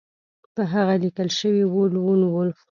په هغه لیکل شوي وو لون وولف